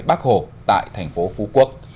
bắc hồ tại thành phố phú quốc